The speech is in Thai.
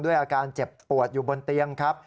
อาการเจ็บปวดอยู่บนเตียงครับ